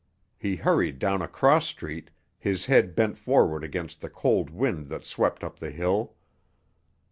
He hurried down a cross street, his head bent forward against the cold wind that swept up the hill.